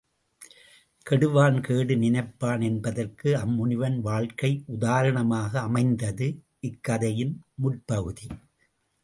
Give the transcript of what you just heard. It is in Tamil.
கெடுவான் கேடு நினைப்பான் என்பதற்கு அம்முனிவன் வாழ்க்கை உதாரணமாக அமைந்தது இது இக்கதையின் முற்பகுதி.